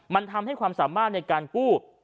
มันทำให้ความสามารถในการกู้